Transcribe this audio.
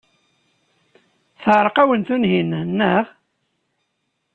Teɛreq-awen Tunhinan, naɣ?